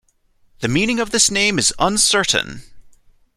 The meaning of this name is uncertain.